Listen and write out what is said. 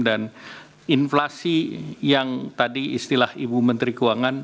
dan inflasi yang tadi istilah ibu menteri keuangan